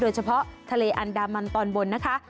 เฉพาะทะเลอันดามันตอนบนนะคะ